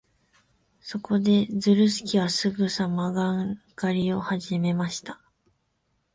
そこで、ズルスケはすぐさまガン狩りをはじめました。